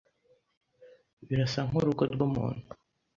Birasa nkurugo rwumuntu.